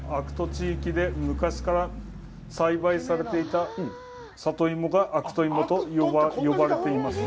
地域で昔から栽培されていた里芋が悪戸いもと呼ばれています。